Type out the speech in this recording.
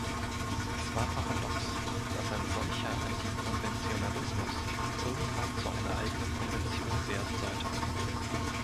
Es war paradox, dass ein solcher Anti-Konventionalismus irgendwann zu einer eigenen Konvention werden sollte.